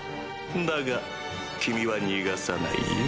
だが君は逃がさないよ？